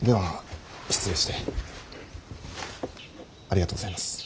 ありがとうございます。